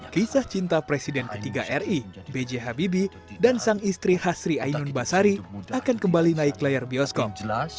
kisah cinta presiden ketiga ri b j habibie dan sang istri hasri ainun basari akan kembali naik layar bioskop